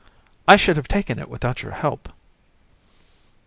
JEA. I should have taken it without your help.